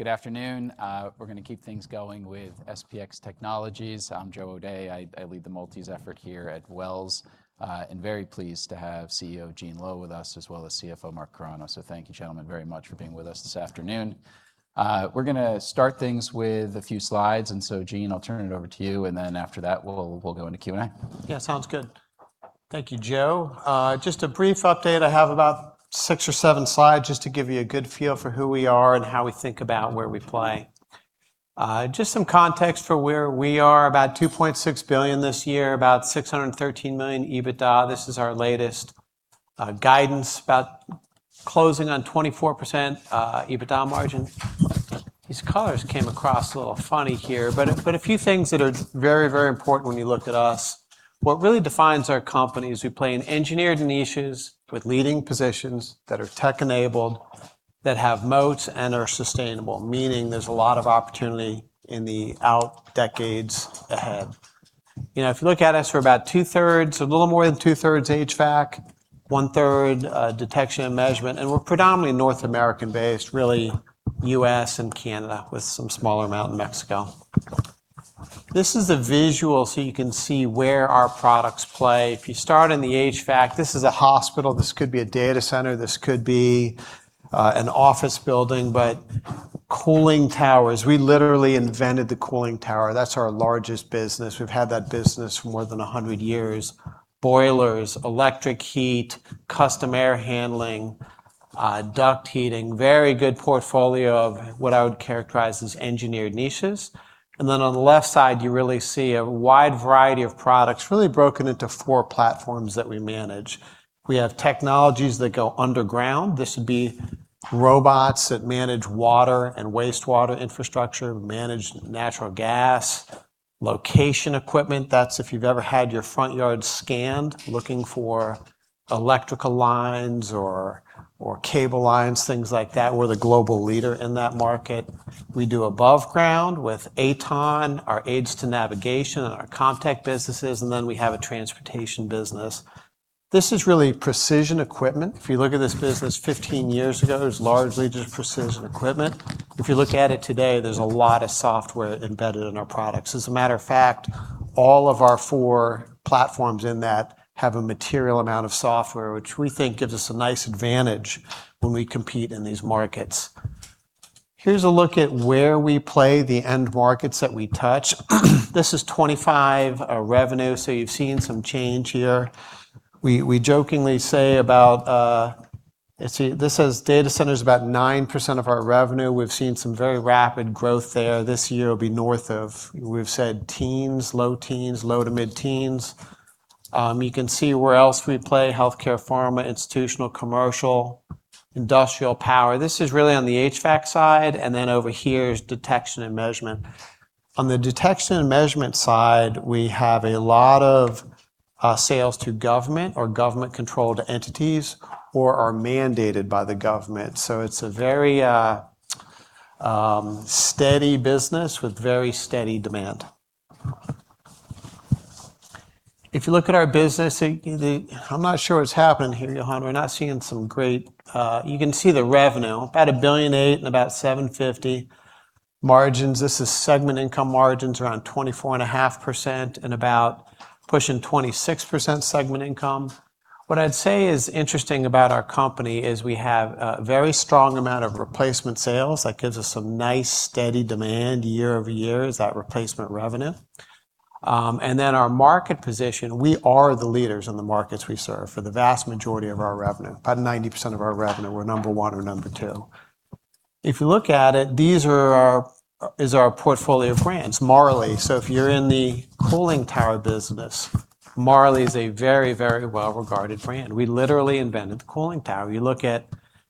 Good afternoon. We're going to keep things going with SPX Technologies. I'm Joe O'Dea. I lead the multis effort here at Wells. Very pleased to have CEO Gene Lowe with us, as well as CFO Mark Carano. Thank you, gentlemen, very much for being with us this afternoon. We're going to start things with a few slides. Gene, I'll turn it over to you, and then after that, we'll go into Q&A. Sounds good. Thank you, Joe. Just a brief update. I have about six or seven slides just to give you a good feel for who we are and how we think about where we play. Just some context for where we are. About $2.6 billion this year. About $613 million EBITDA. This is our latest guidance. About closing on 24% EBITDA margin. These colors came across a little funny here. A few things that are very important when you look at us. What really defines our company is we play in engineered niches with leading positions that are tech-enabled, that have moats and are sustainable. Meaning there's a lot of opportunity in the out decades ahead. If you look at us, we're about 2/3, [a little more than] 2/3 HVAC, 1/3 Detection & Measurement. We're predominantly North American based, really U.S. and Canada, with some smaller amount in Mexico. This is a visual so you can see where our products play. If you start in the HVAC, this is a hospital, this could be a data center, this could be an office building. Cooling towers, we literally invented the cooling tower. That's our largest business. We've had that business for more than 100 years. Boilers, electric heat, custom air handling, duct heating. Very good portfolio of what I would characterize as engineered niches. On the left side, you really see a wide variety of products, really broken into four platforms that we manage. We have technologies that go underground. This would be robots that manage water and wastewater infrastructure, manage natural gas. Location equipment, that's if you've ever had your front yard scanned looking for electrical lines or cable lines, things like that. We're the global leader in that market. We do above ground with AtoN, our aids to navigation and our Comtech businesses. We have a transportation business. This is really precision equipment. If you look at this business 15 years ago, it was largely just precision equipment. If you look at it today, there's a lot of software embedded in our products. As a matter of fact, all of our four platforms in that have a material amount of software, which we think gives us a nice advantage when we compete in these markets. Here's a look at where we play, the end markets that we touch. This is 2025 revenue, you've seen some change here. We jokingly say, this says data centers about 9% of our revenue. We've seen some very rapid growth there. This year will be north of, we've said teens, low teens, low to mid-teens. You can see where else we play, healthcare, pharma, institutional, commercial, industrial power. This is really on the HVAC side. Over here is Detection & Measurement. On the Detection & Measurement side, we have a lot of sales to government or government-controlled entities, or are mandated by the government. It's a very steady business with very steady demand. If you look at our business, I'm not sure what's happened here, Johan. We're not seeing some great. You can see the revenue. About $1.8 billion and about $750 million margins. This is segment income margins around 24.5% and about pushing 26% segment income. What I'd say is interesting about our company is we have a very strong amount of replacement sales. That gives us some nice steady demand year-over-year, is that replacement revenue. Our market position, we are the leaders in the markets we serve for the vast majority of our revenue. About 90% of our revenue, we're number one or number two. If you look at it, this is our portfolio of brands. Marley. If you're in the cooling tower business, Marley's a very well-regarded brand. We literally invented the cooling tower. You look at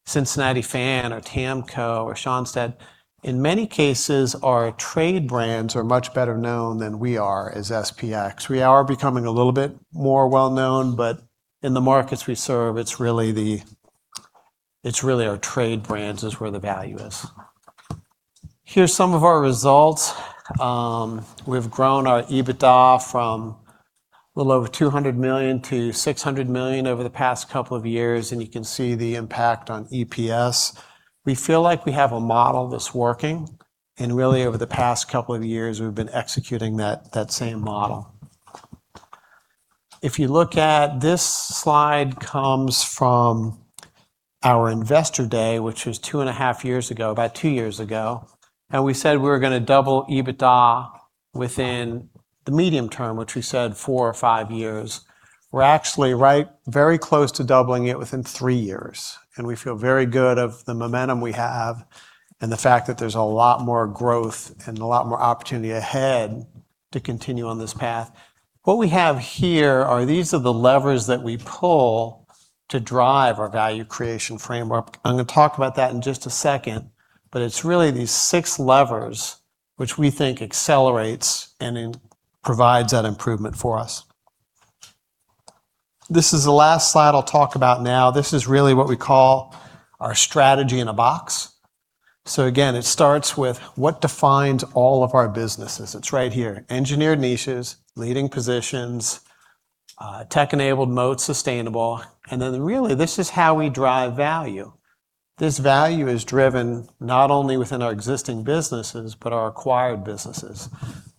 Cincinnati Fan or TAMCO or Schonstedt. In many cases, our trade brands are much better known than we are as SPX. We are becoming a little bit more well-known, but in the markets we serve, it's really our trade brands is where the value is. Here's some of our results. We've grown our EBITDA from a little over $200 million-$600 million over the past couple of years. You can see the impact on EPS. We feel like we have a model that's working. Really over the past couple of years, we've been executing that same model. If you look at this slide comes from our investor day, which was two and a half years ago, about two years ago. We said we were going to double EBITDA within the medium term, which we said four or five years. We're actually right very close to doubling it within three years, and we feel very good of the momentum we have and the fact that there's a lot more growth and a lot more opportunity ahead to continue on this path. What we have here are, these are the levers that we pull to drive our value creation framework. I'm going to talk about that in just a second, but it's really these six levers which we think accelerates and provides that improvement for us. This is the last slide I'll talk about now. This is really what we call our strategy in a box. Again, it starts with what defines all of our businesses. It's right here. Engineered niches, leading positions. Tech-enabled mode, sustainable. Really this is how we drive value. This value is driven not only within our existing businesses, but our acquired businesses.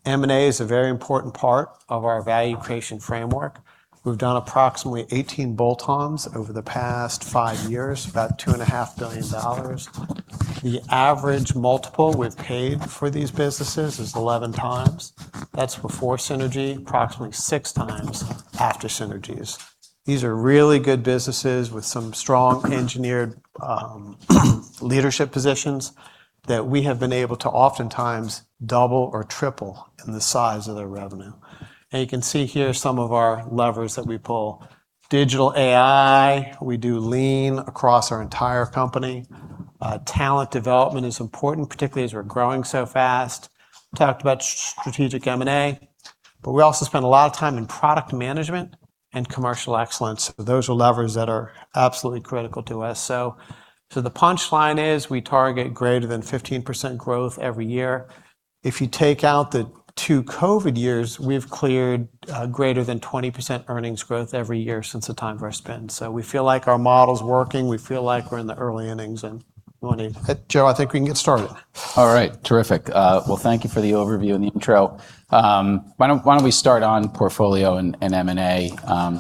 M&A is a very important part of our value creation framework. We've done approximately 18 bolt-ons over the past five years, about $2.5 billion. The average multiple we've paid for these businesses is 11 times. That's before synergy, approximately six times after synergies. These are really good businesses with some strong engineered leadership positions that we have been able to oftentimes double or triple in the size of their revenue. You can see here some of our levers that we pull. Digital AI. We do Lean across our entire company. Talent development is important, particularly as we're growing so fast. Talked about strategic M&A, we also spend a lot of time in product management and commercial excellence. Those are levers that are absolutely critical to us. The punchline is we target greater than 15% growth every year. If you take out the two COVID years, we've cleared greater than 20% earnings growth every year since the time of our spend. We feel like our model's working. We feel like we're in the early innings. Joe, I think we can get started. All right. Terrific. Well, thank you for the overview and the intro. Why don't we start on portfolio and M&A,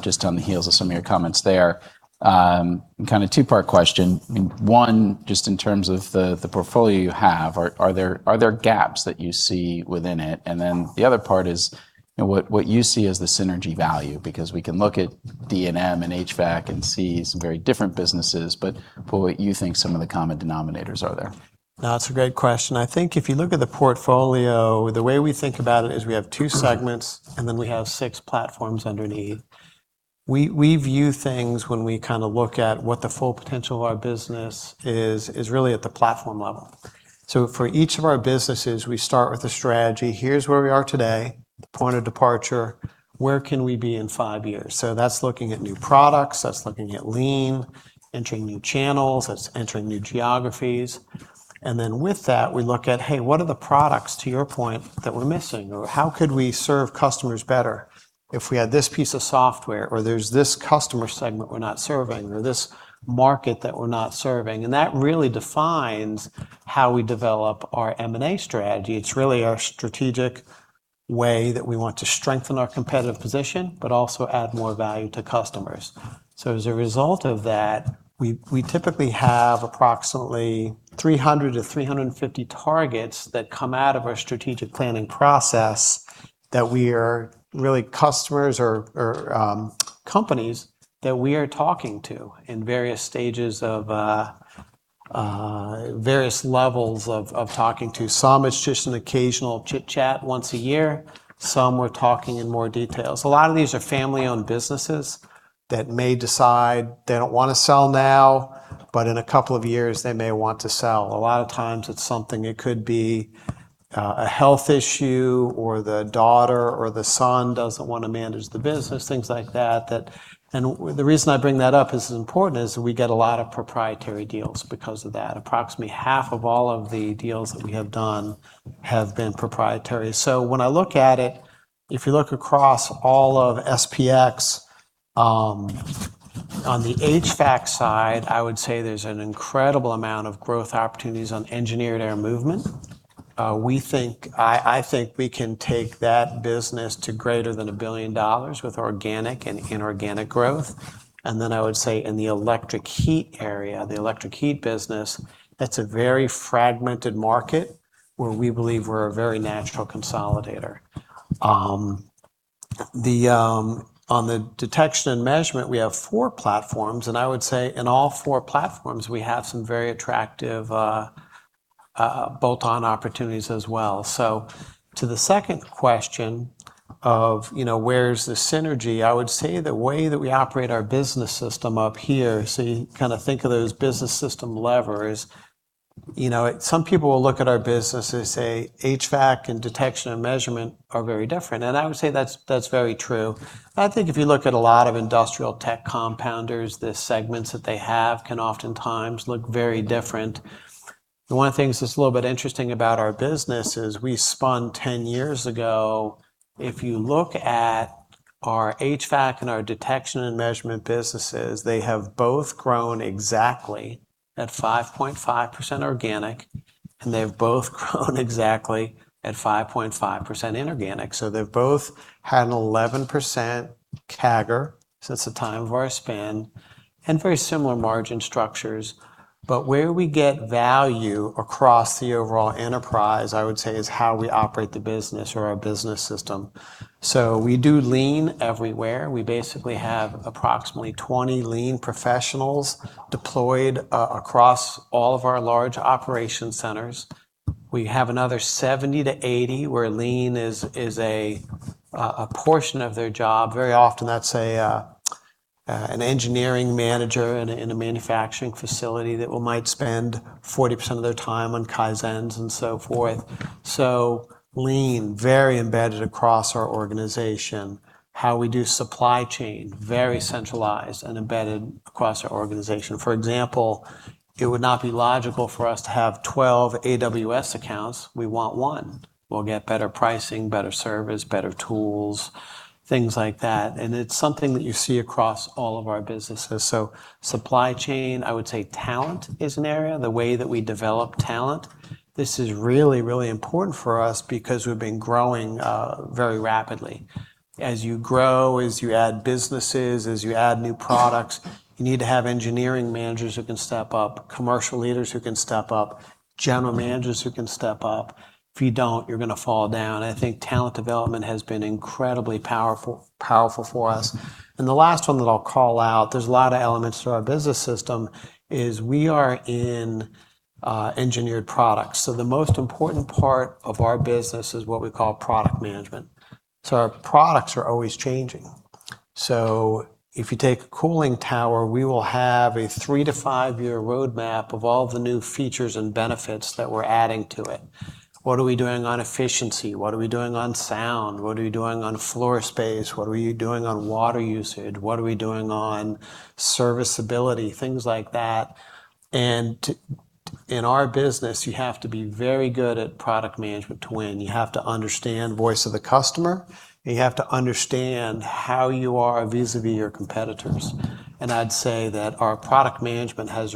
just on the heels of some of your comments there. Kind of two-part question. One, just in terms of the portfolio you have, are there gaps that you see within it? The other part is what you see as the synergy value, because we can look at D&M and HVAC and see some very different businesses, but what you think some of the common denominators are there. No, it's a great question. I think if you look at the portfolio, the way we think about it is we have two segments and then we have six platforms underneath. We view things when we kind of look at what the full potential of our business is really at the platform level. For each of our businesses, we start with a strategy. Here's where we are today, the point of departure, where can we be in five years? That's looking at new products, that's looking at Lean, entering new channels, that's entering new geographies. With that, we look at, "Hey, what are the products," to your point, "that we're missing?" Or, "How could we serve customers better if we had this piece of software?" Or there's this customer segment we're not serving, or this market that we're not serving. That really defines how we develop our M&A strategy. It's really our strategic way that we want to strengthen our competitive position, also add more value to customers. As a result of that, we typically have approximately 300-350 targets that come out of our strategic planning process that we are really customers or companies that we are talking to in various levels of talking to. Some, it's just an occasional chit-chat once a year. Some we're talking in more details. A lot of these are family-owned businesses that may decide they don't want to sell now, in a couple of years they may want to sell. A lot of times it's something, it could be a health issue or the daughter or the son doesn't want to manage the business, things like that. The reason I bring that up as important is we get a lot of proprietary deals because of that. Approximately half of all of the deals that we have done have been proprietary. When I look at it, if you look across all of SPX on the HVAC side, I would say there's an incredible amount of growth opportunities on engineered air movement. I think we can take that business to greater than $1 billion with organic and inorganic growth. Then I would say in the electric heat area, the electric heat business, that's a very fragmented market where we believe we're a very natural consolidator. On the Detection & Measurement, we have four platforms, and I would say in all four platforms, we have some very attractive bolt-on opportunities as well. To the second question of where is the synergy, I would say the way that we operate our business system up here, you kind of think of those business system levers. Some people will look at our business and say, "HVAC and Detection & Measurement are very different." I would say that's very true. I think if you look at a lot of industrial tech compounders, the segments that they have can oftentimes look very different. One of the things that's a little bit interesting about our business is we spun 10 years ago. If you look at our HVAC and our Detection & Measurement businesses, they have both grown exactly at 5.5% organic, and they've both grown exactly at 5.5% inorganic. They've both had an 11% CAGR since the time of our spin, and very similar margin structures. Where we get value across the overall enterprise, I would say, is how we operate the business or our business system. We do Lean everywhere. We basically have approximately 20 Lean professionals deployed across all of our large operation centers. We have another 70-80 where Lean is a portion of their job. Very often that's an engineering manager in a manufacturing facility that might spend 40% of their time on Kaizens and so forth. Lean, very embedded across our organization. How we do supply chain, very centralized and embedded across our organization. For example, it would not be logical for us to have 12 AWS accounts. We want one. We'll get better pricing, better service, better tools, things like that. It's something that you see across all of our businesses. Supply chain, I would say talent is an area, the way that we develop talent. This is really, really important for us because we've been growing very rapidly. As you grow, as you add businesses, as you add new products, you need to have engineering managers who can step up, commercial leaders who can step up, general managers who can step up. If you don't, you're going to fall down. I think talent development has been incredibly powerful for us. The last one that I'll call out, there's a lot of elements to our business system, is we are in engineered products. The most important part of our business is what we call product management. Our products are always changing. If you take a cooling tower, we will have a three to five year roadmap of all the new features and benefits that we're adding to it. What are we doing on efficiency? What are we doing on sound? What are we doing on floor space? What are we doing on water usage? What are we doing on serviceability? Things like that. In our business, you have to be very good at product management to win. You have to understand voice of the customer, and you have to understand how you are vis-a-vis your competitors. I'd say that our product management has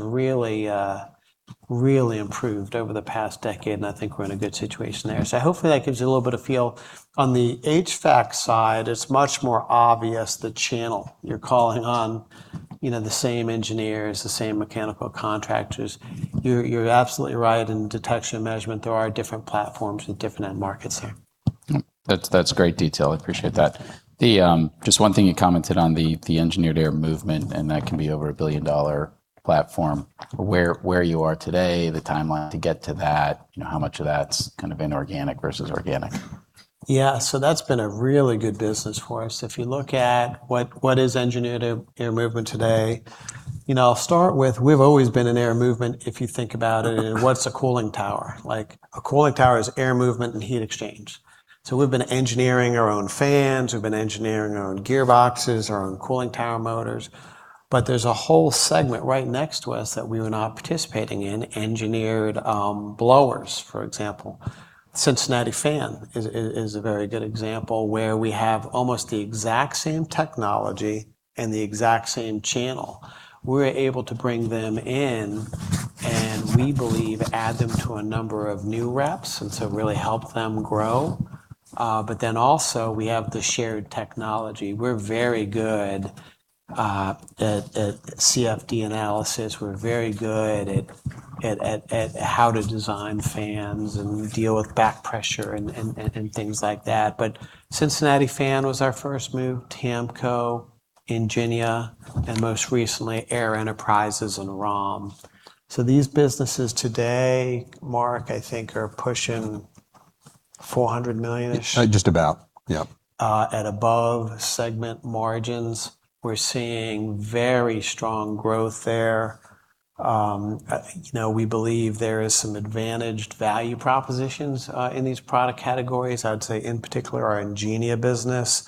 really improved over the past decade, and I think we're in a good situation there. Hopefully that gives you a little bit of feel. On the HVAC side, it's much more obvious the channel you're calling on. The same engineers, the same mechanical contractors. You're absolutely right. In Detection & Measurement, there are different platforms with different end markets here. That's great detail. I appreciate that. Just one thing you commented on, the engineered air movement, that can be over a $1 billion platform. Where you are today, the timeline to get to that, how much of that's kind of inorganic versus organic? That's been a really good business for us. If you look at what is engineered air movement today. I'll start with, we've always been in air movement, if you think about it. What's a cooling tower? Like, a cooling tower is air movement and heat exchange. We've been engineering our own fans, we've been engineering our own gearboxes, our own cooling tower motors, there's a whole segment right next to us that we were not participating in, engineered blowers, for example. Cincinnati Fan is a very good example where we have almost the exact same technology and the exact same channel. We're able to bring them in, we believe add them to a number of new reps, really help them grow. Also, we have the shared technology. We're very good at CFD analysis. We're very good at how to design fans and deal with back pressure and things like that. Cincinnati Fan was our first move. TAMCO, Ingénia, and most recently, Air Enterprises and Rahn Industries. These businesses today, Mark, I think, are pushing $400 million-ish. Just about. Yep. At above segment margins. We're seeing very strong growth there. We believe there is some advantaged value propositions in these product categories. I'd say in particular, our Ingénia business.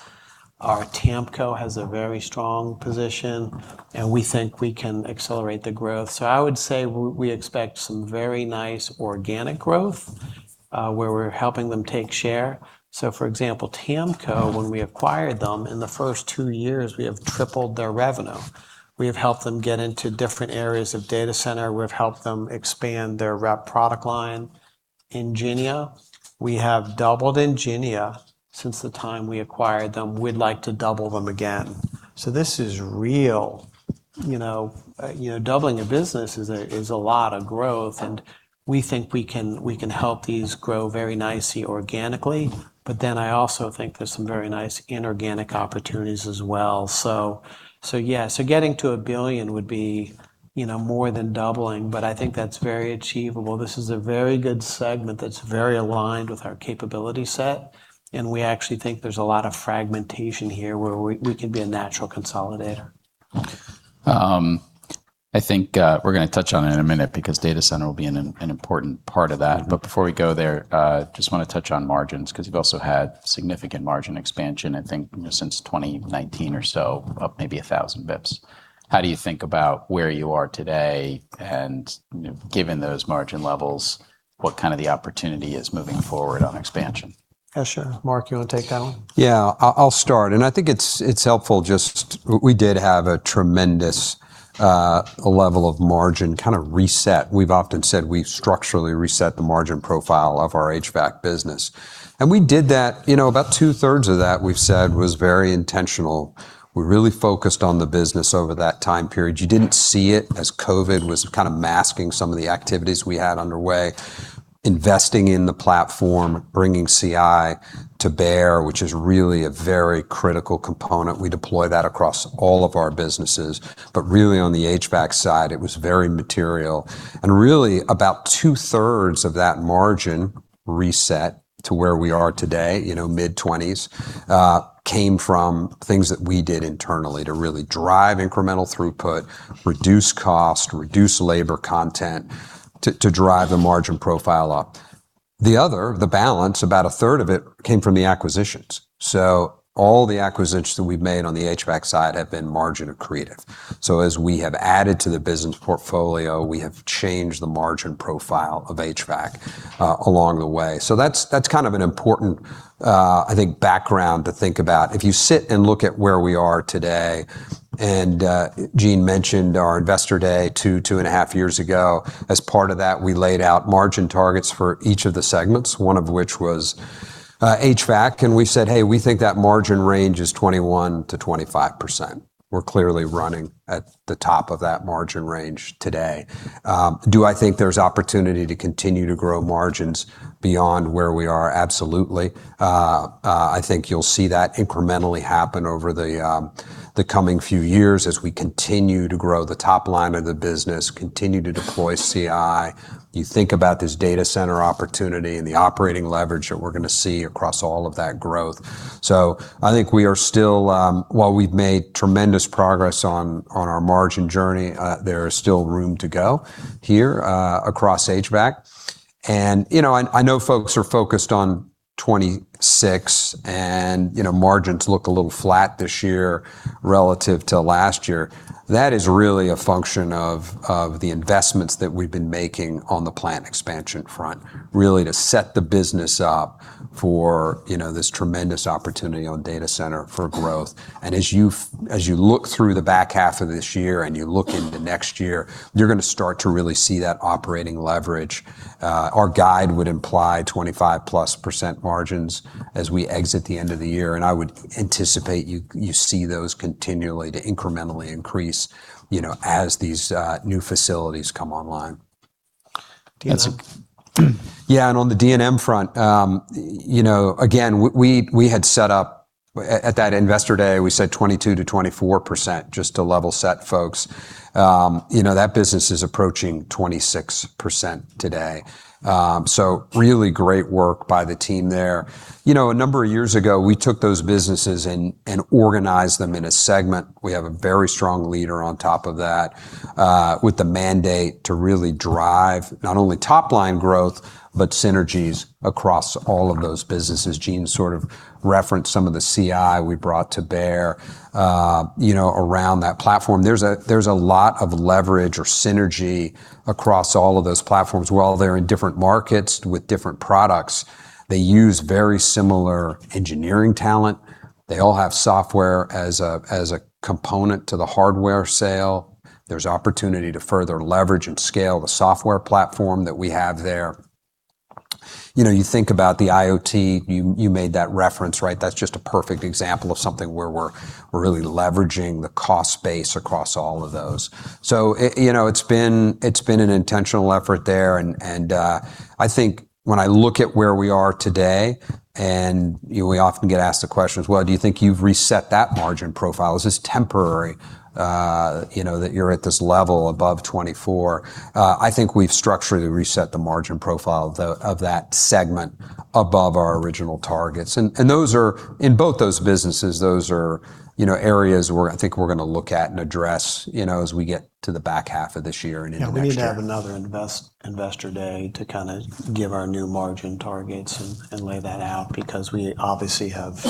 Our TAMCO has a very strong position, and we think we can accelerate the growth. I would say we expect some very nice organic growth, where we're helping them take share. For example, TAMCO, when we acquired them, in the first two years, we have tripled their revenue. We have helped them get into different areas of data center. We've helped them expand their rep product line. Ingénia, we have doubled Ingénia since the time we acquired them. We'd like to double them again. This is real. Doubling a business is a lot of growth, and we think we can help these grow very nicely organically. I also think there's some very nice inorganic opportunities as well. Yeah. Getting to $1 billion would be more than doubling, but I think that's very achievable. This is a very good segment that's very aligned with our capability set, and we actually think there's a lot of fragmentation here where we could be a natural consolidator. I think we're going to touch on it in a minute because data center will be an important part of that. Before we go there, just want to touch on margins because you've also had significant margin expansion, I think since 2019 or so, up maybe 1,000 basis points. How do you think about where you are today and given those margin levels, what kind of the opportunity is moving forward on expansion? Yeah, sure. Mark, you want to take that one? Yeah. I'll start. I think it's helpful just, we did have a tremendous level of margin kind of reset. We've often said we structurally reset the margin profile of our HVAC business. We did that, about 2/3 of that we've said was very intentional. We really focused on the business over that time period. You didn't see it as COVID was kind of masking some of the activities we had underway. Investing in the platform, bringing CI to bear, which is really a very critical component. We deploy that across all of our businesses. Really on the HVAC side, it was very material, and really about 2/3 of that margin reset to where we are today, mid-20s, came from things that we did internally to really drive incremental throughput, reduce cost, reduce labor content, to drive the margin profile up. The other, the balance, about a third of it came from the acquisitions. All the acquisitions that we've made on the HVAC side have been margin accretive. As we have added to the business portfolio, we have changed the margin profile of HVAC along the way. That's an important, I think, background to think about. If you sit and look at where we are today, Gene mentioned our investor day two and a half years ago. As part of that, we laid out margin targets for each of the segments, one of which was HVAC, and we said, "Hey, we think that margin range is 21%-25%." We're clearly running at the top of that margin range today. Do I think there's opportunity to continue to grow margins beyond where we are? Absolutely. I think you'll see that incrementally happen over the coming few years as we continue to grow the top line of the business, continue to deploy CI. You think about this data center opportunity and the operating leverage that we're going to see across all of that growth. I think while we've made tremendous progress on our margin journey, there is still room to go here across HVAC. I know folks are focused on 2026, and margins look a little flat this year relative to last year. That is really a function of the investments that we've been making on the plant expansion front, really to set the business up for this tremendous opportunity on data center for growth. As you look through the back half of this year and you look into next year, you're going to start to really see that operating leverage. Our guide would imply 25%+ margins as we exit the end of the year, and I would anticipate you see those continually to incrementally increase as these new facilities come online. D&M. On the D&M front, again, we had set up at that investor day, we said 22%-24%, just to level set folks. That business is approaching 26% today. Really great work by the team there. A number of years ago, we took those businesses and organized them in a segment. We have a very strong leader on top of that with the mandate to really drive not only top-line growth but synergies across all of those businesses. Gene sort of referenced some of the CI we brought to bear around that platform. There's a lot of leverage or synergy across all of those platforms. While they're in different markets with different products, they use very similar engineering talent. They all have software as a component to the hardware sale. There's opportunity to further leverage and scale the software platform that we have there. You think about the IoT, you made that reference, right? That's just a perfect example of something where we're really leveraging the cost base across all of those. It's been an intentional effort there and I think when I look at where we are today, and we often get asked the question as well, do you think you've reset that margin profile? Is this temporary that you're at this level above 24%? I think we've structurally reset the margin profile of that segment above our original targets. In both those businesses, those are areas where I think we're going to look at and address as we get to the back half of this year and into next year. Yeah. We need to have another investor day to kind of give our new margin targets and lay that out because we obviously have-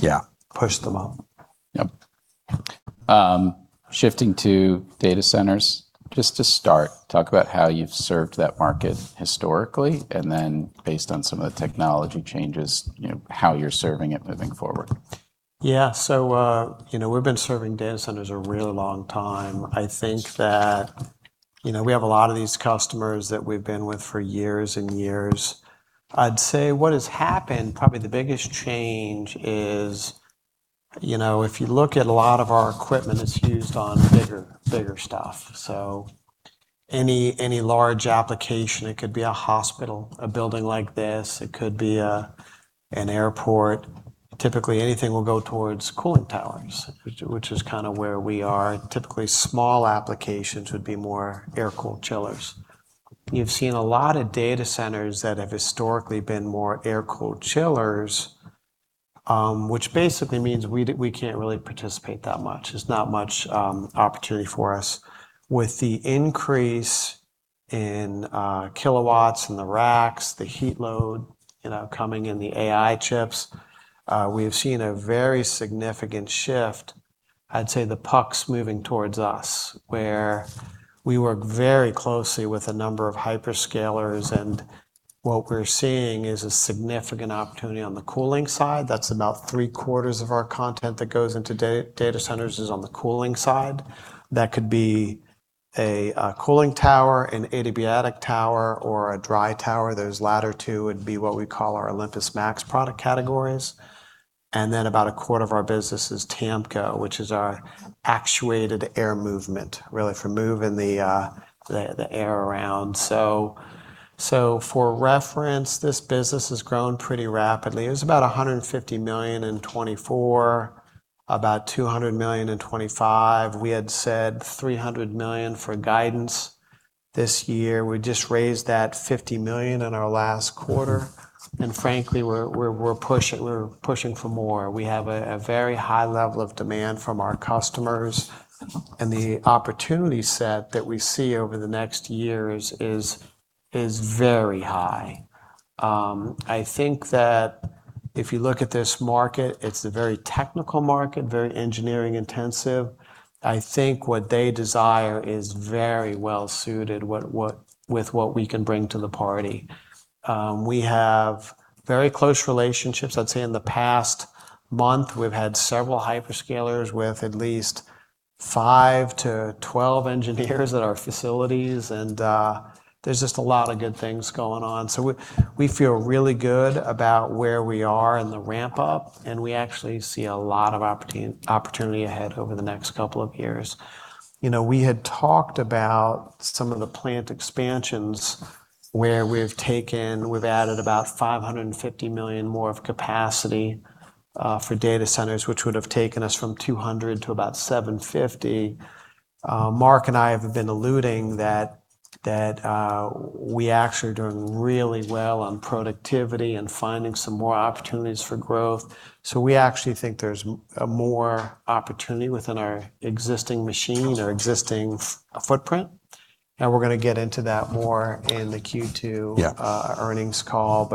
Yeah.... pushed them up. Yep. Shifting to data centers, just to start, talk about how you've served that market historically, and then based on some of the technology changes, how you're serving it moving forward. Yeah. We've been serving data centers a really long time. I think that we have a lot of these customers that we've been with for years and years. I'd say what has happened, probably the biggest change is, if you look at a lot of our equipment, it's used on bigger stuff. Any large application, it could be a hospital, a building like this, it could be an airport. Typically, anything will go towards cooling towers, which is kind of where we are. Typically, small applications would be more air-cooled chillers. You've seen a lot of data centers that have historically been more air-cooled chillers, which basically means we can't really participate that much. There's not much opportunity for us. With the increase in kilowatts, in the racks, the heat load coming in the AI chips, we have seen a very significant shift, I'd say the puck's moving towards us, where we work very closely with a number of hyperscalers and what we're seeing is a significant opportunity on the cooling side. That's about 3/4 of our content that goes into data centers is on the cooling side. That could be a cooling tower, an adiabatic tower, or a dry tower. Those latter two would be what we call our Marley OlympusMAX product categories. About a quarter of our business is TAMCO, which is our actuated air movement, really for moving the air around. For reference, this business has grown pretty rapidly. It was about $150 million in 2024, about $200 million in 2025. We had said $300 million for guidance this year. We just raised that $50 million in our last quarter. Frankly, we're pushing for more. We have a very high level of demand from our customers, and the opportunity set that we see over the next years is very high. I think that if you look at this market, it's a very technical market, very engineering intensive. I think what they desire is very well suited with what we can bring to the party. We have very close relationships. I'd say in the past month, we've had several hyperscalers with at least 5-12 engineers at our facilities, and there's just a lot of good things going on. We feel really good about where we are in the ramp-up, and we actually see a lot of opportunity ahead over the next couple of years. We had talked about some of the plant expansions where we've added about $550 million more of capacity for data centers, which would've taken us from $200 million to about $750 million. Mark and I have been alluding that we actually are doing really well on productivity and finding some more opportunities for growth. We actually think there's more opportunity within our existing machine or existing footprint. We're going to get into that more in the Q2- Yeah.... earnings call.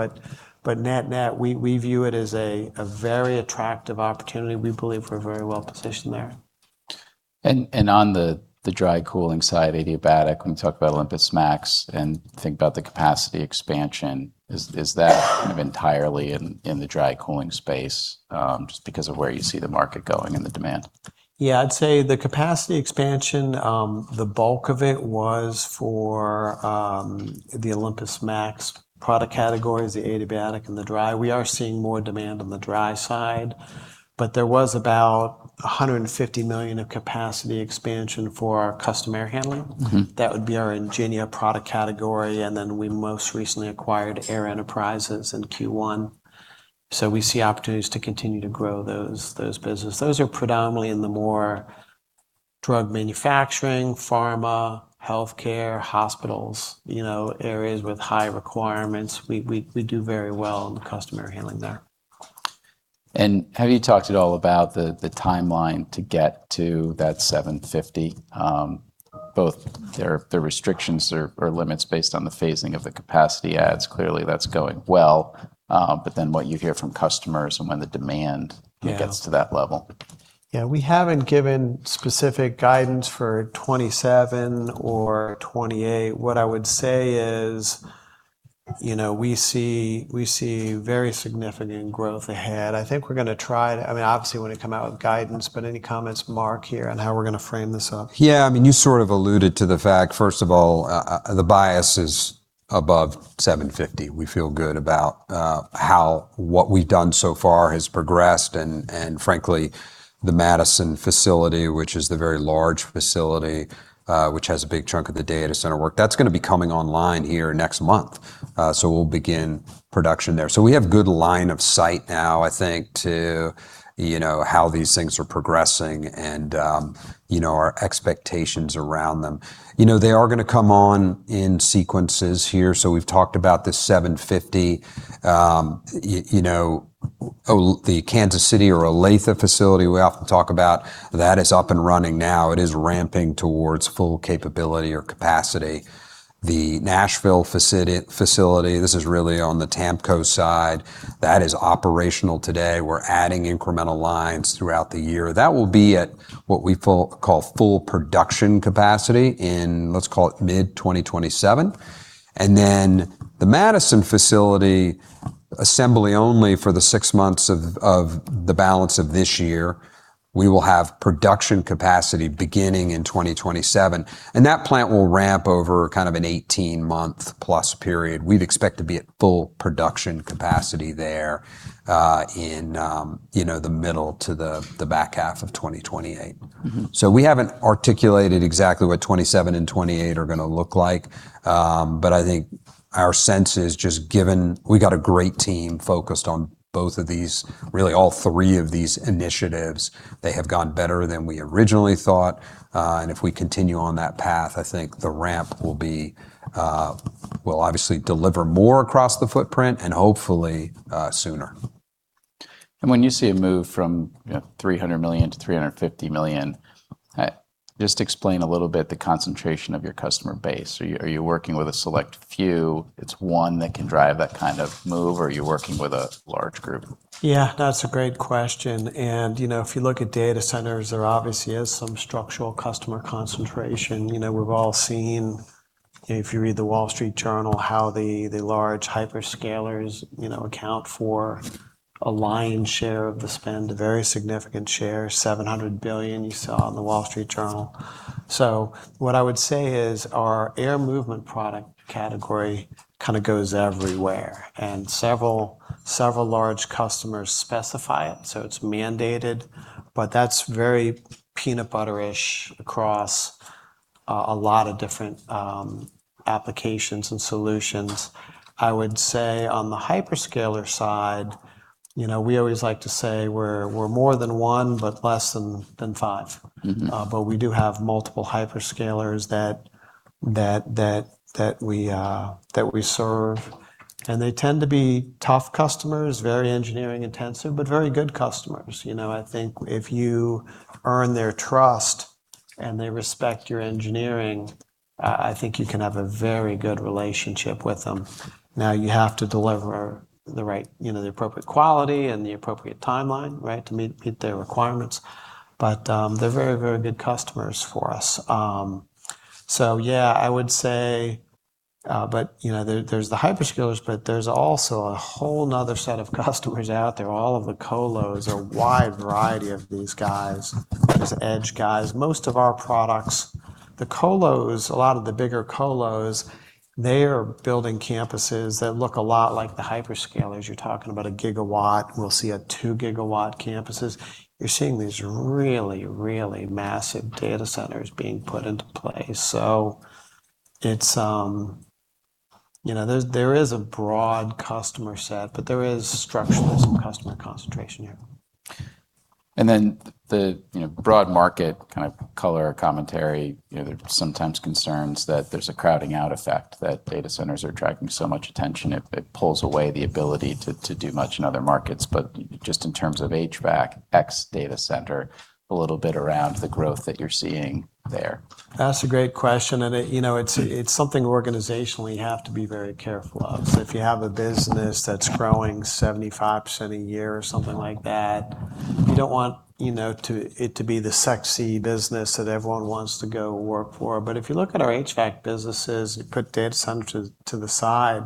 Net-net, we view it as a very attractive opportunity. We believe we're very well-positioned there. On the dry cooling side, adiabatic, when you talk about Marley OlympusMAX and think about the capacity expansion, is that kind of entirely in the dry cooling space, just because of where you see the market going and the demand? Yeah, I'd say the capacity expansion, the bulk of it was for the Marley OlympusMAX product categories, the adiabatic and the dry. We are seeing more demand on the dry side. There was about $150 million of capacity expansion for our custom air handling. That would be our Ingénia product category, and then we most recently acquired Air Enterprises in Q1. We see opportunities to continue to grow those business. Those are predominantly in the more drug manufacturing, pharma, healthcare, hospitals, areas with high requirements. We do very well in the customer handling there. Have you talked at all about the timeline to get to that $750 million? Both the restrictions or limits based on the phasing of the capacity adds, clearly that's going well, but then what you hear from customers when the demands gets to that level. Yeah. We haven't given specific guidance for 2027 or 2028. What I would say is, we see very significant growth ahead. I think we're going to try to, obviously want to come out with guidance, any comments, Mark, here on how we're going to frame this up? Yeah, you sort of alluded to the fact, first of all, the bias is above $750 million. We feel good about how what we've done so far has progressed, frankly, the Madison facility, which is the very large facility, which has a big chunk of the data center work, that's going to be coming online here next month. We'll begin production there. We have good line of sight now, I think, to how these things are progressing and our expectations around them. They are going to come on in sequences here. We've talked about the $750 million. The Kansas City or Olathe facility we often talk about, that is up and running now. It is ramping towards full capability or capacity. The Nashville facility, this is really on the TAMCO side, that is operational today. We're adding incremental lines throughout the year. That will be at what we call full production capacity in, let's call it mid-2027. The Madison facility, assembly only for the six months of the balance of this year. We will have production capacity beginning in 2027, that plant will ramp over kind of an 18-month-plus period. We'd expect to be at full production capacity there in the middle to the back half of 2028. We haven't articulated exactly what 2027 and 2028 are going to look like. I think our sense is just given, we've got a great team focused on both of these, really all three of these initiatives. They have gone better than we originally thought. If we continue on that path, I think the ramp will obviously deliver more across the footprint and hopefully sooner. When you see a move from $300 million to $350 million, just explain a little bit the concentration of your customer base. Are you working with a select few? It's one that can drive that kind of move, or are you working with a large group? That's a great question. If you look at data centers, there obviously is some structural customer concentration. We've all seen, if you read "The Wall Street Journal," how the large hyperscalers account for a lion's share of the spend, a very significant share, $700 billion you saw in "The Wall Street Journal." What I would say is our air movement product category kind of goes everywhere and several large customers specify it, so it's mandated, but that's very peanut butter-ish across a lot of different applications and solutions. I would say on the hyperscaler side, we always like to say we're more than one, but less than five. We do have multiple hyperscalers that we serve. They tend to be tough customers, very engineering intensive, but very good customers. I think if you earn their trust and they respect your engineering, I think you can have a very good relationship with them. Now, you have to deliver the appropriate quality and the appropriate timeline, right, to meet their requirements. They're very, very good customers for us. Yeah, I would say there's the hyperscalers, but there's also a whole another set of customers out there. All of the colos, a wide variety of these guys, these edge guys. Most of our products, the colos, a lot of the bigger colos, they are building campuses that look a lot like the hyperscalers. You're talking about a gigawatt. We'll see 2 GW campuses. You're seeing these really, really massive data centers being put into place. There is a broad customer set, but there is structurally some customer concentration here. The broad market kind of color commentary, there's sometimes concerns that there's a crowding out effect, that data centers are attracting so much attention, it pulls away the ability to do much in other markets. Just in terms of HVAC, X data center, a little bit around the growth that you're seeing there. That's a great question, and it's something organizationally you have to be very careful of. If you have a business that's growing 75% a year or something like that, you don't want it to be the sexy business that everyone wants to go work for. If you look at our HVAC businesses, you put data center to the side,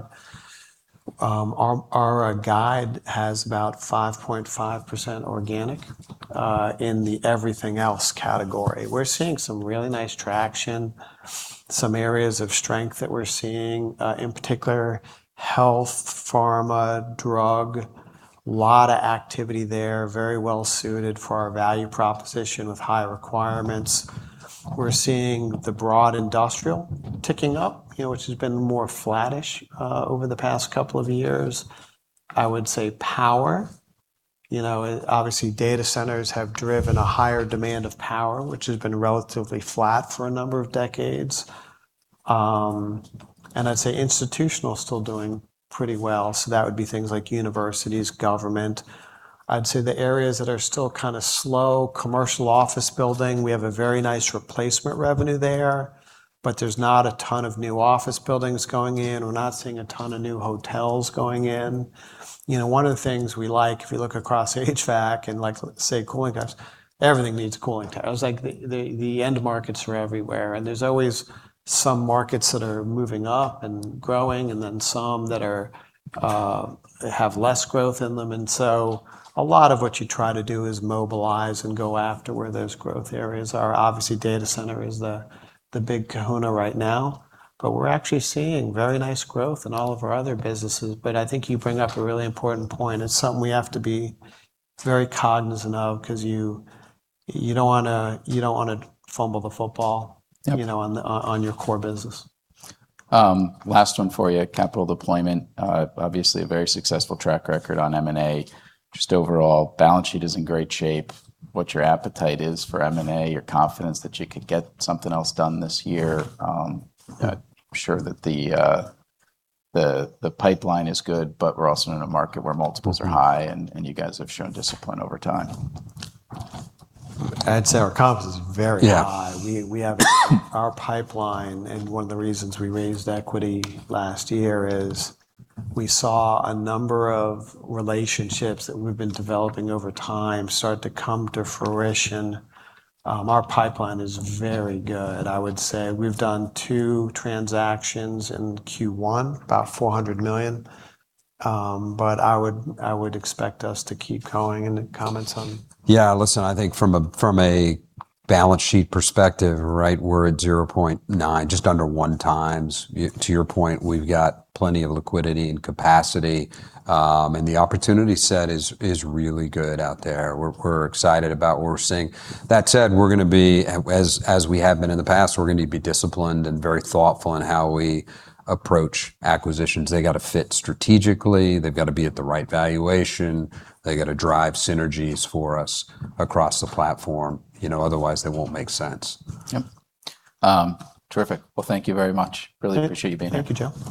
our guide has about 5.5% organic in the everything else category. We're seeing some really nice traction. Some areas of strength that we're seeing, in particular health, pharma, drug, lot of activity there, very well suited for our value proposition with high requirements. We're seeing the broad industrial ticking up, which has been more flattish over the past couple of years. I would say power. Obviously, data centers have driven a higher demand of power, which has been relatively flat for a number of decades. I'd say institutional is still doing pretty well. That would be things like universities, government. I'd say the areas that are still kind of slow, commercial office building. We have a very nice replacement revenue there, but there's not a ton of new office buildings going in. We're not seeing a ton of new hotels going in. One of the things we like, if you look across HVAC and say cooling towers, everything needs cooling towers. The end markets are everywhere, and there's always some markets that are moving up and growing, and then some that have less growth in them. A lot of what you try to do is mobilize and go after where those growth areas are. Obviously, data center is the big kahuna right now, but we're actually seeing very nice growth in all of our other businesses. I think you bring up a really important point. It's something we have to be very cognizant of because you don't want to fumble the football- Yep.... on your core business. Last one for you. Capital deployment, obviously a very successful track record on M&A. Just overall, balance sheet is in great shape, what your appetite is for M&A, your confidence that you could get something else done this year. I'm sure that the pipeline is good, but we're also in a market where multiples are high, and you guys have shown discipline over time. I'd say our confidence is very high. Yeah. Our pipeline, one of the reasons we raised equity last year is we saw a number of relationships that we've been developing over time start to come to fruition. Our pipeline is very good, I would say. We've done two transactions in Q1, about $400 million. I would expect us to keep going. Any comments on. Listen, I think from a balance sheet perspective, right, we're at 0.9, just under one times. To your point, we've got plenty of liquidity and capacity. The opportunity set is really good out there. We're excited about what we're seeing. That said, as we have been in the past, we're going to be disciplined and very thoughtful in how we approach acquisitions. They've got to fit strategically. They've got to be at the right valuation. They got to drive synergies for us across the platform, otherwise they won't make sense. Yep. Terrific. Thank you very much. Really appreciate you being here. Thank you, Joe.